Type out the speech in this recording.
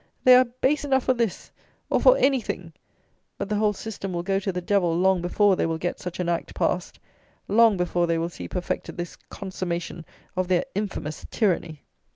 They are base enough for this, or for any thing; but the whole system will go to the devil long before they will get such an act passed; long before they will see perfected this consummation of their infamous tyranny.